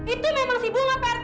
itu memang si bunga pak rt